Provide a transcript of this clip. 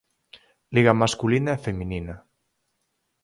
Liga masculina e feminina.